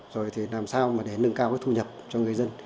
rồi thì làm sao mà để nâng cao cái thu nhập cho người dân